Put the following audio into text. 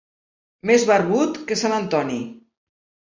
Més barbut que sant Antoni.